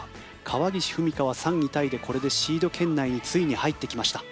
川岸史果は３位タイでこれでシード圏内についに入ってきました。